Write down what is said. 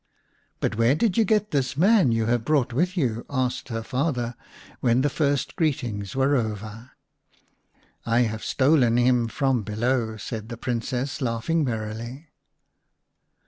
" But where did you get this man you have brought with you ?" asked her father when the first greetings were over. " I have stolen him from below," said the Princess, laughing merrily.